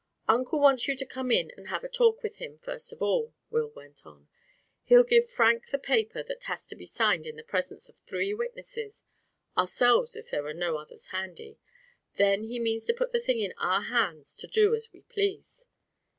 "Uncle wants you to come in and have a talk with him, first of all," Will went on. "He'll give Frank the paper that has to be signed in the presence of three witnesses—ourselves, if there are no others handy. Then he means to put the thing in our hands to do as we please.